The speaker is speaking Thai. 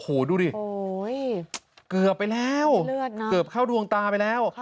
โอ้โหดูดิโอ้ยเกือบไปแล้วเลือดน่ะเกือบเข้ารวงตาไปแล้ว